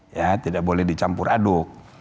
ya tidak boleh dicampur aduk